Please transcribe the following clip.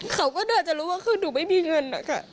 เขาก็เดินจะรู้ว่าหนูไม่มีเงิน